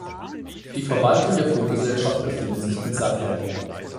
Die Verwaltung der Fluggesellschaft befindet sich in Zagreb.